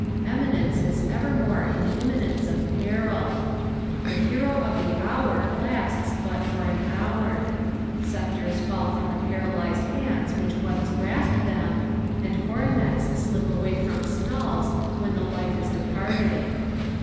Eminence is evermore in imminence of peril. The heru of tlie hour lasts but for an hour. Sceptres fall fmm the parBiysed hands which once grasped them, and coronets slip away from skulls when the life is departed.